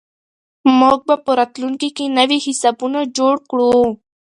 موږ به په راتلونکي کې نوي حسابونه جوړ کړو.